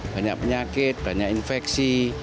banyak penyakit banyak infeksi